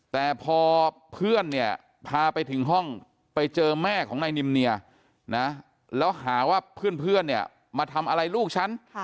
แต่พอเพื่อนเนี่ยพาไปถึงห้องไปเจอแม่ของนายนิมเนียนะแล้วหาว่าเพื่อนเนี่ยมาทำอะไรลูกฉัน